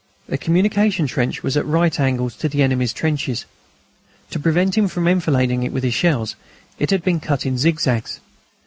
The communication trench was at right angles to the enemy's trenches. To prevent him from enfilading it with his shells, it had been cut in zigzags.